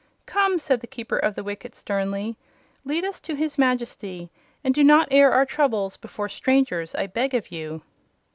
"Come!" said the Keeper of the Wicket, sternly; "lead us to his Majesty; and do not air our troubles before strangers, I beg of you."